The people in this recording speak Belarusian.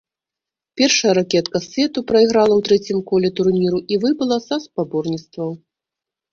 Першая ракетка свету прайграла ў трэцім коле турніру і выбыла са спаборніцтваў.